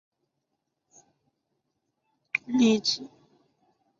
有机化学中的是异相反应比均相反应快的一个例子。